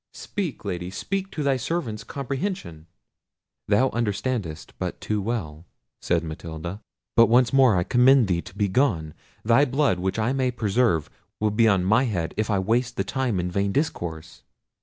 Speak, Lady; speak to thy servant's comprehension." "Thou understandest but too well!" said Matilda; "but once more I command thee to be gone: thy blood, which I may preserve, will be on my head, if I waste the time in vain discourse."